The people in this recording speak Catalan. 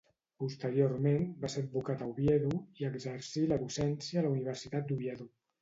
Posteriorment va ser advocat a Oviedo i exercí la docència a la Universitat d'Oviedo.